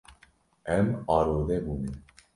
Em arode bûne.